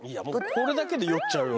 これだけで酔っちゃうよ